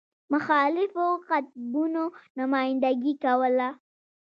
مخالفو قطبونو نمایندګي کوله.